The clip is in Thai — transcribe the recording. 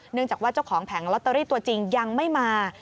จากว่าเจ้าของแผงลอตเตอรี่ตัวจริงยังไม่มา